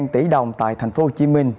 một mươi tỷ đồng tại thành phố hồ chí minh